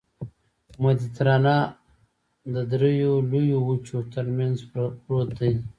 مدیترانه د دریو لویو وچو ترمنځ پروت دی.